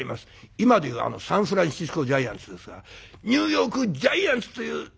今で言うサンフランシスコ・ジャイアンツですが「ニューヨーク・ジャイアンツという名前があります。